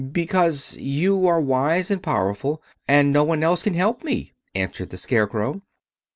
"Because you are wise and powerful, and no one else can help me," answered the Scarecrow.